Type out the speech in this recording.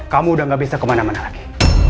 kamu udah gak bisa kemana mana lagi